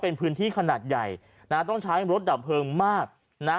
เป็นพื้นที่ขนาดใหญ่นะฮะต้องใช้รถดับเพลิงมากนะฮะ